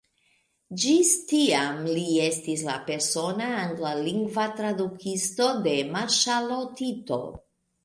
Ĝis tiam, li estis la persona anglalingva tradukisto de marŝalo Tito.